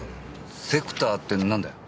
セクターって何だよ？